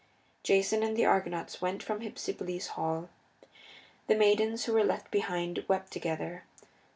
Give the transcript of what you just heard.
Jason and the Argonauts went from Hypsipyle's hall. The maidens who were left behind wept together.